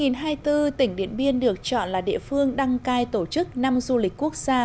năm hai nghìn hai mươi bốn tỉnh điện biên được chọn là địa phương đăng cai tổ chức năm du lịch quốc gia